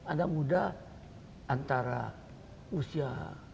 anak muda antara usia